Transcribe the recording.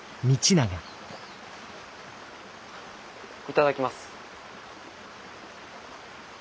頂きます。